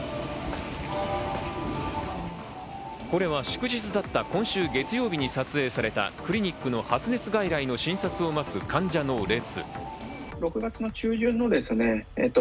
これは祝日だった今週月曜日に撮影されたクリニックの発熱外来の診察を待つ患者の列。